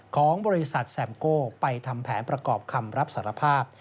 ของบริษัทแซมโก้ไปทำแผนประกอบคำรับสารภาพ